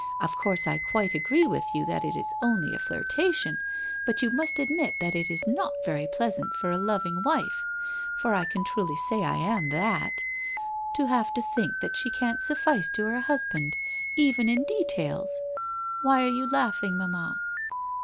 Of course I quite agree with you that it is only flirtation, but you must admit that it is not very pleasant for a loving wife — for I can truly say I am that — to have to think that she can't suffice to her husband, even in de tails! Why are you laughing, mamma?'